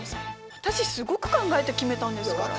私すごく考えて決めたんですから。